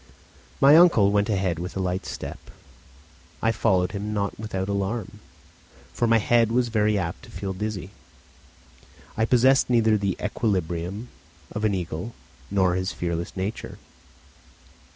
My uncle went ahead with a light step. I followed him not without alarm, for my head was very apt to feel dizzy; I possessed neither the equilibrium of an eagle nor his fearless nature.